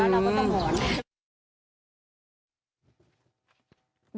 แล้วเราก็ต้องหอน